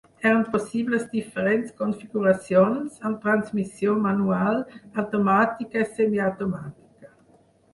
Eren possibles diferents configuracions, amb transmissió manual, automàtica i semiautomàtica.